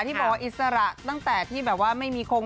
ที่บอกว่าอิสระตั้งแต่ที่ไม่มีคลอง